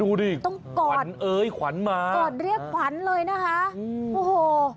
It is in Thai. ดูดิต้องกอดขวัญเอ้ยขวัญมากอดเรียกขวัญเลยนะคะโอ้โห